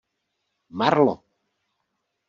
Marlo!